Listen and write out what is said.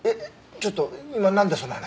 ちょっと今なんでその話？